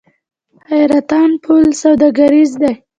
حیرتان پل سوداګریز دی؟